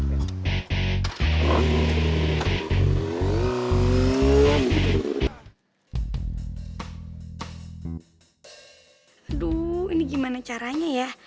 aduh ini gimana caranya ya